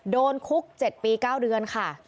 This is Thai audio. โดนคุก๗ปี๙เดือนค่ะ